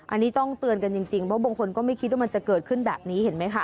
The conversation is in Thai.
อันนี้ต้องเตือนกันจริงเพราะบางคนก็ไม่คิดว่ามันจะเกิดขึ้นแบบนี้เห็นไหมคะ